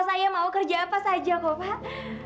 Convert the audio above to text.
saya mau kerja apa saja kok pak